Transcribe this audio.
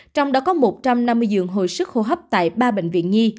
trong đó có một trăm năm mươi giường hồi sức hô hấp tại ba bệnh viện nhi